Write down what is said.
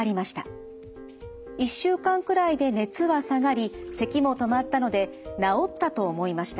１週間くらいで熱は下がりせきも止まったので治ったと思いました。